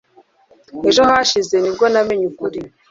Ejo hashize nibwo namenye ukuri